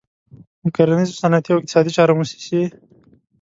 د کرنیزو، صنعتي او اقتصادي چارو موسسې.